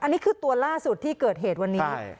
อันนี้คือตัวล่าสุดที่เกิดเหตุวันนี้